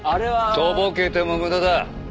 とぼけても無駄だ。